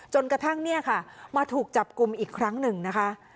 จนกระทั่งเนี่ยค่ะมาถูกจับกลุ่มอีกครั้งหนึ่งนะคะ